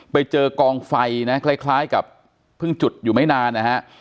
ไปเจอกองไฟนะคล้ายกับเพิ่งจุดอยู่ไม่นานนะฮะ